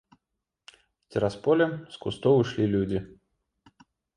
Цераз поле, з кустоў, ішлі людзі.